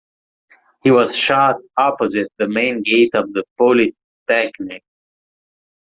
He was shot opposite the main gate of the Polytechnic.